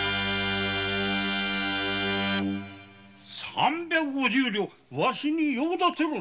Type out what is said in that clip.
三百五十両わしに用立てろじゃと？